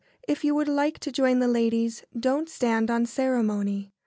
If you would like to join the ladies, don't stand on ceremony."